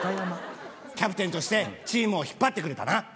キャプテンとしてチームを引っ張ってくれたな。